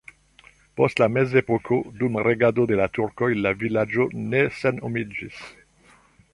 Post la mezepoko dum regado de la turkoj la vilaĝo ne senhomiĝis.